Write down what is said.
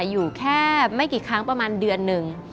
อยู่แค่ไม่กี่ครั้งประมาณเดือนหนึ่ง